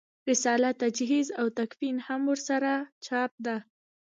رساله تجهیز او تکفین هم ورسره چاپ ده.